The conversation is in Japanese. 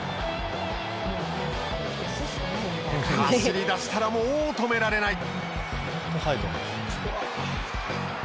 走り出したらもう止められない。